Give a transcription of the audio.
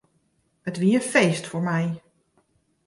It wie in feest foar my.